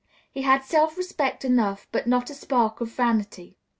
He had self respect enough, but not a spark of vanity.